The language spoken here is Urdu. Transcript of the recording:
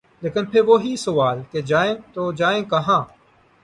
لیکن پھر وہی سوال کہ جائیں تو جائیں کہاں۔